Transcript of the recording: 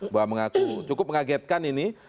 bahwa mengaku cukup mengagetkan ini